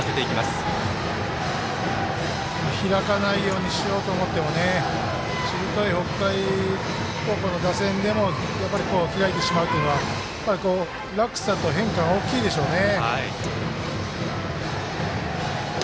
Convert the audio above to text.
開かないようにしようと思ってもねしぶとい北海高校の打線でも開いてしまうというのは落差と変化が大きいでしょうね。